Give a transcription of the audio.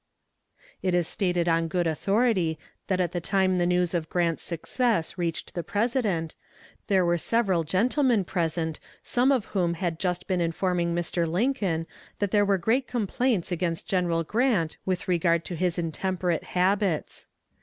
It is stated on good authority that at the time the news of Grant's success reached the President, there were several gentlemen present some of whom had just been informing Mr. Lincoln that there were great complaints against General Grant with regard to his intemperate habits.